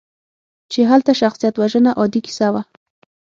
چې هلته شخصیتوژنه عادي کیسه وه.